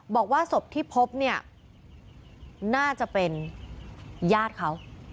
บอกว่าศพที่พบเนี่ยน่าจะเป็นญาติเขา